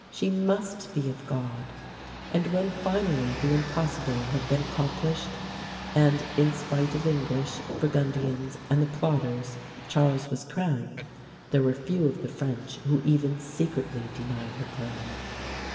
She must be of God! And when finally the impossible had been accomplished, and, in spite of English, Burgundians, and the plotters, Charles was crowned, there were few of the French who even secretly denied her claim.